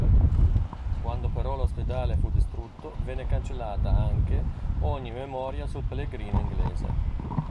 Quando però l'ospedale fu distrutto venne cancellata anche ogni memoria sul pellegrino inglese.